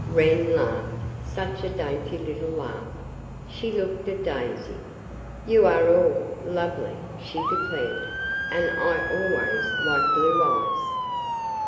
Wren laughed such a dainty little laugh. She looked at Daisy. "You are all lovely," she declared, "and I always like blue eyes!"